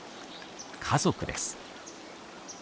家族です。